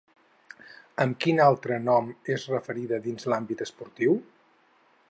Amb quin altre nom és referida dins l'àmbit esportiu?